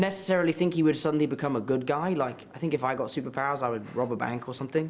seperti saya pikir jika saya mendapat kekuatan super saya akan membunuh bank atau sesuatu